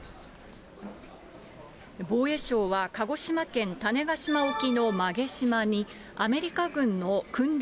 防衛省は鹿児島県種子島沖の馬毛島に、アメリカ軍の訓練